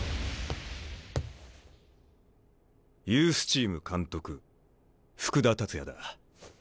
ユースチーム監督福田達也だ。